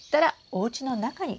おうちの中に。